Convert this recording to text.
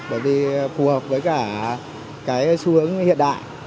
bởi vì phù hợp với cả cái xu hướng hiện đại